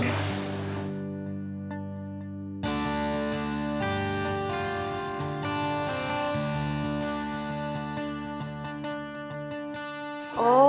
oh gitu kakak abah